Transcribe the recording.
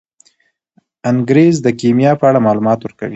انګریز د کیمیا په اړه معلومات ورکوي.